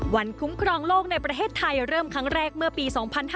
คุ้มครองโลกในประเทศไทยเริ่มครั้งแรกเมื่อปี๒๕๕๙